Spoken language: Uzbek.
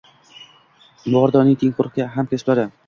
Bu orada uning tengqur hamkasblari